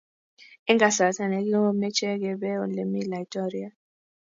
Eng kasarta ni komeche kebe ole mi laitoriat